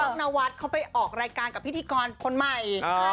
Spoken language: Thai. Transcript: นวัดเขาไปออกรายการกับพิธีกรคนใหม่